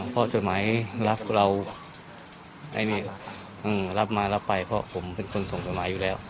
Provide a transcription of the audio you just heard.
เพราะสมัยรักเรารับมารับไปเพราะผมเป็นคนส่งกฎหมายอยู่แล้ว